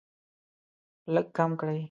لږ کم کړئ